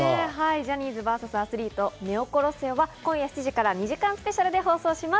ジャニーズｖｓメダリストの『ネオコロッセオ』は今夜７時から２時間スペシャルで放送します。